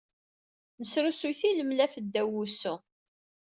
Nesrusuy tilemlaf ddaw wusu.